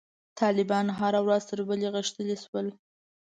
طالبان هره ورځ تر بلې غښتلي شول.